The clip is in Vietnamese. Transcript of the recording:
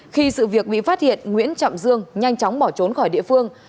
khi sự việc bị phát hiện nguyễn trọng dương nhanh chóng bỏ trốn khỏi địa phương